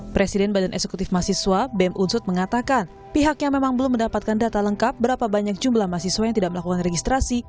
presiden badan eksekutif mahasiswa bem unsut mengatakan pihaknya memang belum mendapatkan data lengkap berapa banyak jumlah mahasiswa yang tidak melakukan registrasi